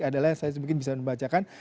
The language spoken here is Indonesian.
adalah yang saya mungkin bisa membacakan